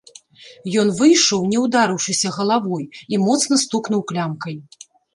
Ён выйшаў, не ўдарыўшыся галавой, і моцна стукнуў клямкай.